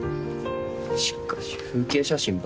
しかし風景写真ばっか。